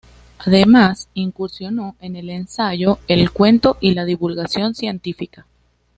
Además, incursionó en el ensayo, el cuento y la divulgación científica.